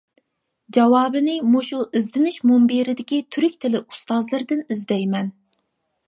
جاۋابنى مۇشۇ ئىزدىنىش مۇنبىرىدىكى تۈرك تىلى ئۇستازلىرىدىن ئىزدەيمەن.